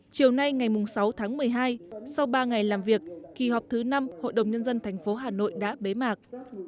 chiều nay ngày sáu tháng một mươi hai sau ba ngày làm việc kỳ họp thứ năm hội đồng nhân dân thành phố hà nội đã bế mạc